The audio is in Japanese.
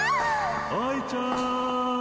愛ちゃん。